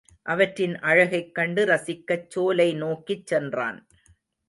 அவற்றின் அழகைக் கண்டு ரசிக்கச் சோலைநோக்கிச் சென்றான்.